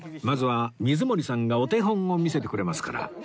まずは水森さんがお手本を見せてくれますから